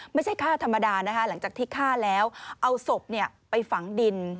ไม่ใช่ฆ่าธรรมดานะคะหลังจากที่ฆ่าแล้วเอาศพไปฝังดิน